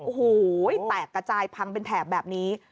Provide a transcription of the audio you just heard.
โอ้โหแตกกระจายพังเป็นแถบแบบนี้